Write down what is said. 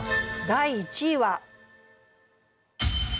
第１位は。